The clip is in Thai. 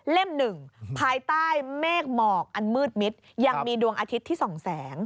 หนึ่งภายใต้เมฆหมอกอันมืดมิดยังมีดวงอาทิตย์ที่๒แสง